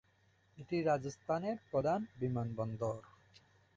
এটি রাজস্থানের প্রধান বিমানবন্দর।